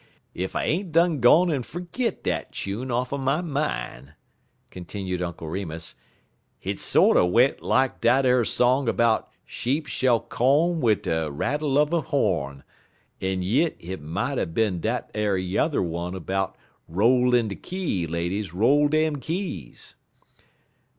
"Ef I ain't done gone en fergit dat chune off'n my min'," continued Uncle Remus; "hit sorter went like dat ar song 'bout 'Sheep shell co'n wid de rattle er his ho'n,' en yit hit mout er been dat ar yuther one 'bout 'Roll de key, ladies, roll dem keys.'